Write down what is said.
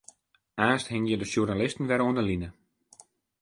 Aansten hingje de sjoernalisten wer oan 'e line.